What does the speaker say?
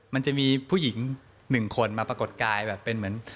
มันจะมีผู้หญิง๑คนมาปรากฏกายแบบเป็นเหมือน